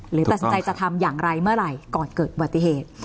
หรือตัดสินใจจะทำอย่างไรเมื่อไหร่ก่อนเกิดอุบัติเหตุ